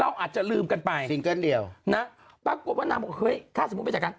อาจจะลืมกันไปซิงเกิ้ลเดียวนะปรากฏว่านางบอกเฮ้ยถ้าสมมุติไปจัดการ